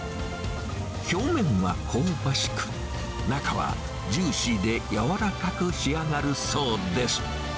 表面は香ばしく、中はジューシーで柔らかく仕上がるそうです。